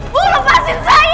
bu lepasin saya